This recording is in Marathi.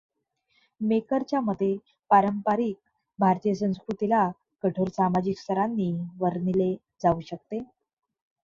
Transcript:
मेकर च्या मते, पारंपारिक भारतीय संस्कृतीला कठोर सामाजिक स्थरांनी वर्णिले जाऊ शकते.